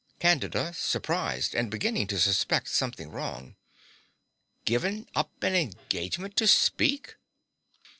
CANDIDA (surprized, and beginning to suspect something wrong). Given up an engagement to speak!